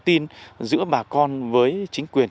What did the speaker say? tin giữa bà con với chính quyền